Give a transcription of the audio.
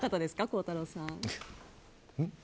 孝太郎さん。